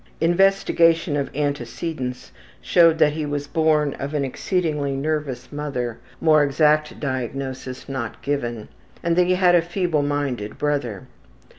Investigation of antecedents showed that he was born of an exceedingly nervous mother (more exact diagnosis not given) and that he had a feebleminded brother.